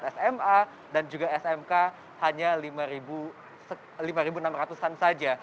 sma dan juga smk hanya lima enam ratus an saja